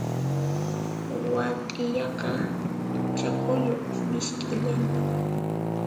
Wathiyaqa ch'akuyuq misk'illana.